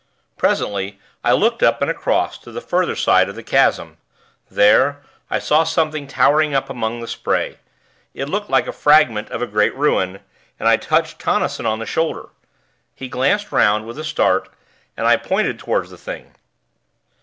Presently, I looked up and across to the further side of the chasm. There, I saw something towering up among the spray: it looked like a fragment of a great ruin, and I touched Tonnison on the shoulder. He glanced 'round, with a start, and I pointed toward the thing.